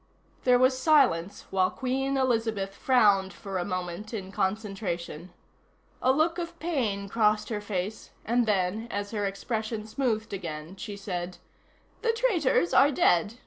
There was silence while Queen Elizabeth frowned for a moment in concentration. A look of pain crossed her face, and then, as her expression smoothed again, she said: "The traitors are dead.